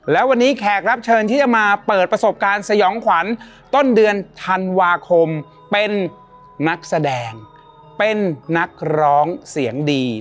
และวันนี้แขกรับเชิญที่จะมาเปิดประสบการณ์สยองขวัญต้นเดือนธันวาคมเป็นนักแสดงเป็นนักร้องเสียงดี